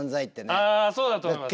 ああそうだと思います。